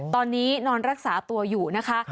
ตอนนี้นอนรักษาตัวอยู่นะคะ